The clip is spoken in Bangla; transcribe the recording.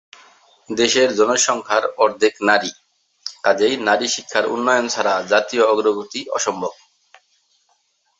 দেশের জনসংখ্যার অর্ধেক নারী, কাজেই নারী শিক্ষার উন্নয়ন ছাড়া জাতীয় অগ্রগতি অসম্ভব।